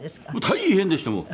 大変でしたもう。